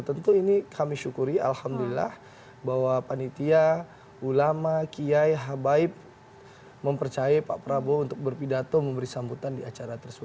tentu ini kami syukuri alhamdulillah bahwa panitia ulama kiai habaib mempercaya pak prabowo untuk berpidato memberi sambutan di acara tersebut